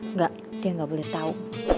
nggak dia gak boleh tau